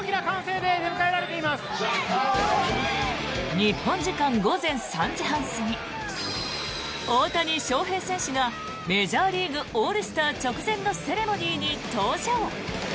日本時間午前３時半過ぎ大谷翔平選手がメジャーリーグオールスター直前のセレモニーに登場。